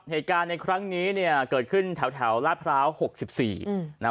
เหตุการณ์ในครั้งนี้เนี่ยเกิดขึ้นแถวลาดพร้าว๖๔นะฮะ